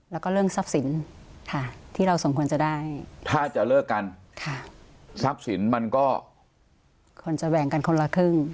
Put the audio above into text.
แล้วก็เรื่องทรัพย์สินที่เราสมควรจะได้ถ้าจะเลิกกันค่ะทรัพย์สินมันก็ควรจะแบ่งกันคนละครึ่ง